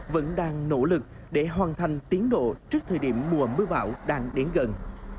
vẫn đang nỗ lực để hoàn thành tiến độ trước thời điểm mùa mưa bão đang đến gần